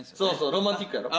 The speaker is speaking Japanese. ロマンチックね。